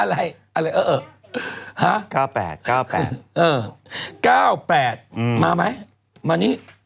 อะไรอะไรเอ่อเอ่อฮะเก้าแปดเก้าแปดเออเก้าแปดอืมมาไหมมานี่